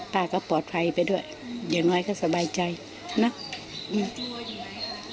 ป้าก็ปลอดภัยไปด้วยอย่างน้อยก็สบายใจนะ